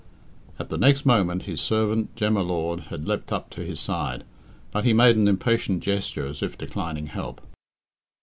At the next moment his servant, Jem y Lord, had leapt up to his side, but he made an impatient gesture as if declining help.